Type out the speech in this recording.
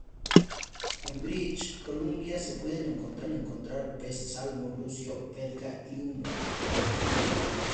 En British Columbia se pueden encontrar peces como el salmón, lucio, perca y umbra.